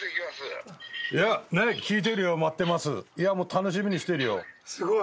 楽しみにしてるよ。